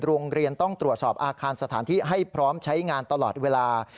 โรงเรียนต้องตรวจสอบอาคารสถานที่ให้พร้อมใช้งานตลอดเวลา